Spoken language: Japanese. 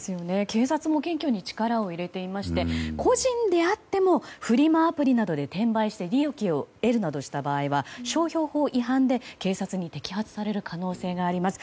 警察も検挙に力を入れていまして個人であってもフリマアプリなどで転売して利益を得るなどした場合は商標法違反で警察に摘発される可能性があります。